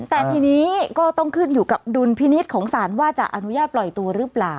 แต่ทีนี้ก็ต้องขึ้นอยู่กับดุลพินิษฐ์ของศาลว่าจะอนุญาตปล่อยตัวหรือเปล่า